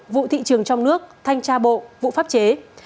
vụ thị trường trong nước thanh tra bộ vụ pháp chế